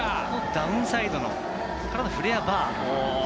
ダウンサイドのフレアバー。